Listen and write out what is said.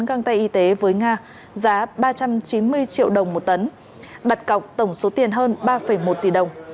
tám găng tay y tế với nga giá ba trăm chín mươi triệu đồng một tấn đặt cọc tổng số tiền hơn ba một tỷ đồng